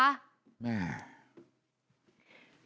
แม่